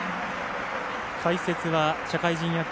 解説は社会人野球